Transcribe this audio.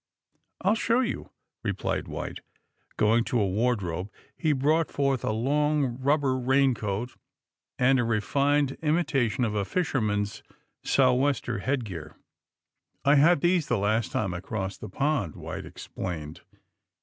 *^I'll show you," replied White, going to a wardrobe. He brought forth a long rubber raincoat and a refined imitation of a fisherman's sou'wester headgear. I had these the last time I crossed the pond," White explained.